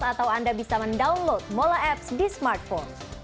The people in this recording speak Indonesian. atau anda bisa mendownload mola apps di smartphone